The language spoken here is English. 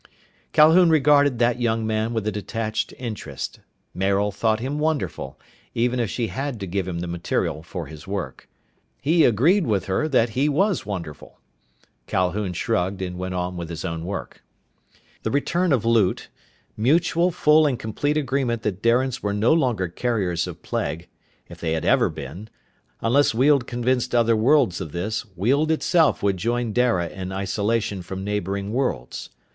Calhoun regarded that young man with a detached interest. Maril thought him wonderful, even if she had to give him the material for his work. He agreed with her that he was wonderful. Calhoun shrugged and went on with his own work. The return of loot, mutual, full, and complete agreement that Darians were no longer carriers of plague, if they had ever been unless Weald convinced other worlds of this, Weald itself would join Dara in isolation from neighboring worlds.